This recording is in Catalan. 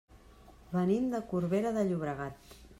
Venim de Corbera de Llobregat.